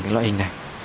cái loại hình này